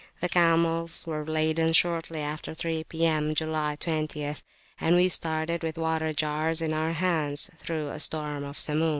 The camels were laden shortly after 3 P.M., July 20th, and we started, with water jars in our hands, through a storm of Samun.